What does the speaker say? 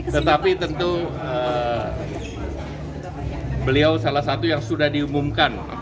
tetapi tentu beliau salah satu yang sudah diumumkan